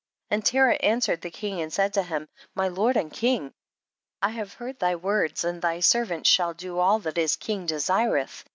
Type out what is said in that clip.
17. And Terah answered the king and said to him ; my Lord and king, I have heard thy words, and thy ser vant shall do all that his king desi reth.